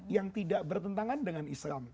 yang tidak bertentangan dengan islam